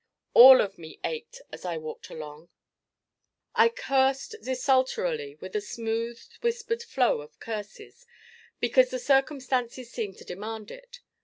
All of me ached as I walked along. I cursed desultorily with a smooth whispered flow of curses, because the circumstances seemed to demand it.